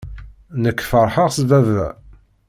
Nekk feṛḥeɣ s baba.